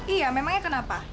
iya memangnya kenapa